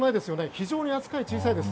非常に扱いが小さいです。